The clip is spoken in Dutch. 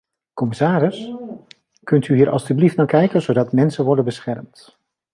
Commissaris, kunt u hier alstublieft naar kijken, zodat mensen worden beschermd.